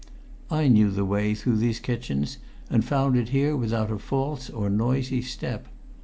I knew the way through these kitchens, and found it here without a false or noisy step.